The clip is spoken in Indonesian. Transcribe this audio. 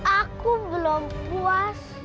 aku belum puas